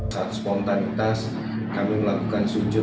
hak spontanitas kami melakukan sujud